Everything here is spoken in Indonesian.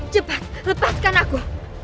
cepat lepaskan aku